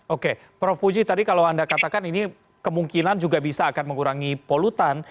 oke prof puji tadi kalau anda katakan ini kemungkinan juga bisa akan mengurangi polutan